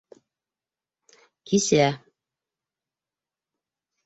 Кисә.